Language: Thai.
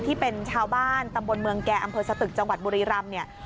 ที่เป็นชาวบ้านตำบลเมืองแก่อำเภอสตึกจังหวัดบุรีรำเนี่ย